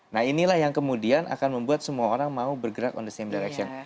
nah inilah yang kemudian akan membuat semua orang mau bergerak on the same direction